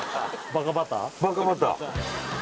バカバター